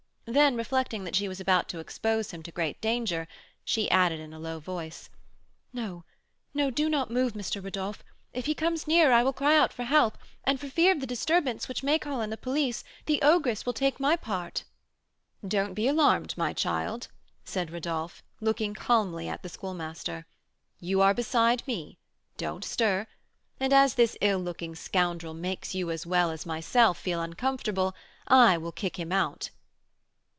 Then, reflecting that she was about to expose him to great danger, she added, in a low voice, "No, no, do not move, Mister Rodolph; if he comes nearer, I will cry out for help, and for fear of the disturbance, which may call in the police, the ogress will take my part." "Don't be alarmed, my child," said Rodolph, looking calmly at the Schoolmaster; "you are beside me, don't stir; and as this ill looking scoundrel makes you as well as myself feel uncomfortable, I will kick him out."